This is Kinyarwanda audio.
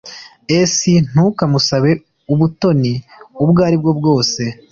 S Ntukamusabe ubutoni ubwo aribwo bwose